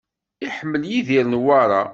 Iḥemmel Yidir Newwara.